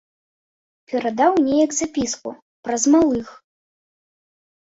Перадаў неяк запіску праз малых.